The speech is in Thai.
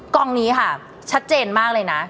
กองนี้ค่ะชัดเจนมากเลยนะ